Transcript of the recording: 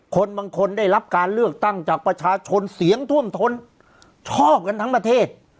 คนบางคนได้รับการเลือกตั้งจากประชาชนเสียงท่วมทนชอบกันทั้งประเทศ